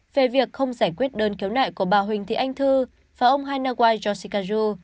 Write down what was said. về việc không giải quyết đơn cứu nại của bà huỳnh thị anh thư và ông hainawai yoshikazu